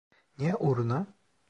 Ne uğruna?